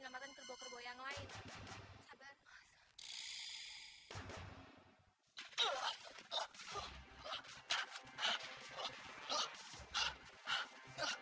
jangan jangan memanggil raja wali memandikan kerbau saja